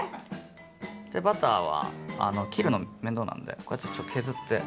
バターは切るの面倒なんでこうやってちょっと削って。